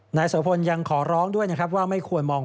หน้าส่วนอย่างขอร้องด้วยนะครับว่าไม่ควรมอง